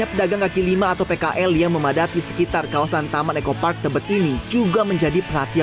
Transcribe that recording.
pada saat ini temani teman akan berjaga jaga di taman nekopark tapi tangan juga tidak bisa berhenti